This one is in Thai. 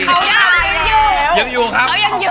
เขายากพิมพ์ยู่